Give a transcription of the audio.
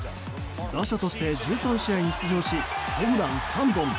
打者として１３試合に出場しホームラン３本。